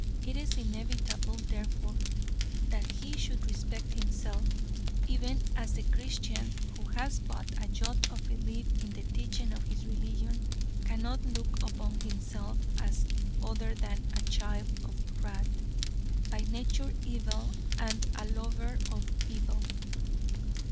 It is inevitable, therefore, that he should respect himself, even as the Christian who has but a jot of belief in the teaching of his religion cannot look upon himself as other than a "child of wrath," by nature evil and a lover of evil.